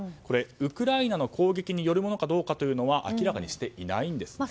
ウクライナの攻撃によるものかどうかは明らかにしていないんですね。